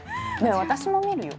私も見るよ。